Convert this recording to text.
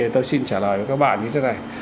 tôi xin trả lời với các bạn như thế này